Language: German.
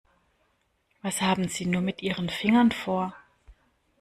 Was haben Sie nur mit Ihren Fingern vor?